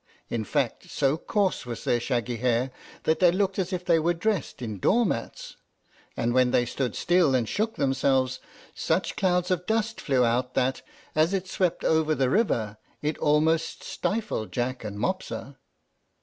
In fact, so coarse was their shaggy hair that they looked as if they were dressed in door mats; and when they stood still and shook themselves, such clouds of dust flew out that, as it swept over the river, it almost stifled Jack and Mopsa.